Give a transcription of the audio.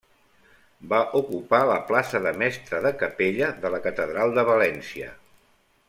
Va ocupar la plaça de mestre de capella de la Catedral de València.